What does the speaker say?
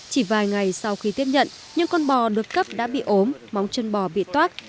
chỉ vài ngày sau khi tiếp nhận những con bò được cấp đã bị ốm móng chân bò bị toác